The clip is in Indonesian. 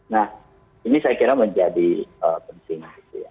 nah ini saya kira menjadi penting